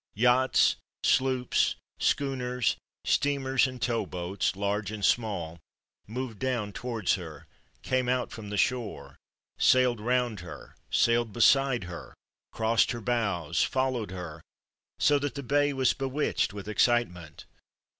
Yachts, sloops, schooners, steamers, and tow boats, large and small, moved down towards her, came out from the shore, sailed round her, sailed beside her, crossed her bows, followed her, so that the bay was bewitched with excitement.